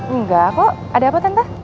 enggak kok ada apa tenta